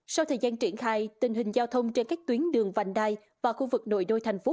sau thời gian triển khai tình hình giao thông trên các tuyến đường vành đai và khu vực nội đô thành phố